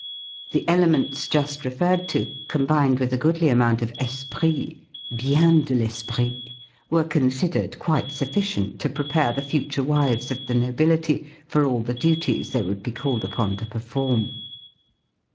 The elements just referred to, combined with a goodly amount of esprit bien de l'esprit were considered quite sufficient to prepare the future wives of the nobility for all the duties they would be called upon to perform.